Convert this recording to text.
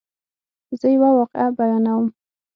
زه یوه واقعه بیانوم.